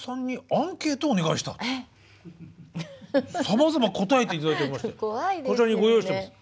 さまざま答えて頂いておりましてこちらにご用意してます。